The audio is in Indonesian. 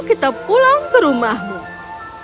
sekarang ayo pulang ke rumah facebook